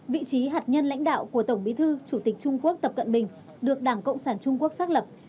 vị trí hạt nhân lãnh đạo của tổng bí thư chủ tịch trung quốc tập cận bình được đảng cộng sản trung quốc xác lập